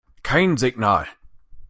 Kein Signal.